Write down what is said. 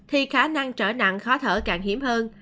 thì khả năng trở nặng khó thở càng hiếm hơn